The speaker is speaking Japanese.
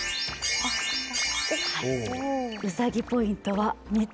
うさぎポイントは３つ。